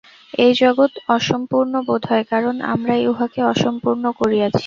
এই জগৎ অসম্পূর্ণ বোধ হয়, কারণ আমরাই উহাকে অসম্পূর্ণ করিয়াছি।